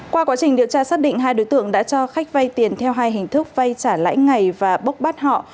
qua quá trình điều tra xác định hai đối tượng đã cho khách vay tiền theo hai hình thức vay trả lãi ngày và bốc bắt họ